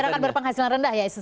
masyarakat berpenghasilan rendah ya